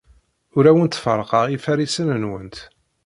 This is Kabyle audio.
Ur awent-ferrqeɣ ifarisen-nwent.